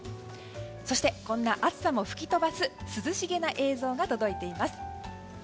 そしてこんな暑さも吹き飛ばす涼しげな映像が届いています。